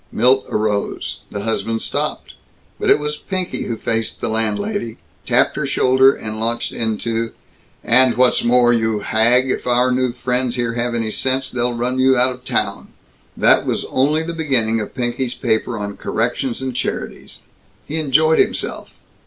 Milt arose. The husband stopped. But it was Pinky who faced the landlady, tapped her shoulder, and launched into, "And what's more, you hag, if our new friends here have any sense, they'll run you out of town." That was only the beginning of Pinky's paper on corrections and charities. He enjoyed himself.